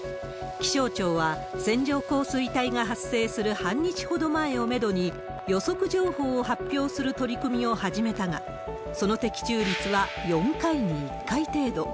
気象庁は、線状降水帯が発生する半日ほど前をメドに、予測情報を発表する取り組みを始めたが、その的中率は４回に１回程度。